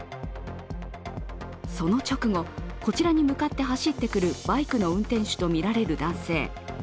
その直後、こちらに向かって走ってくるバイクの運転手とみられる男性。